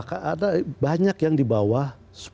ada banyak yang di bawah